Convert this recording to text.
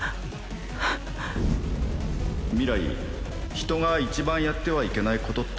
明日人が一番やってはいけないことって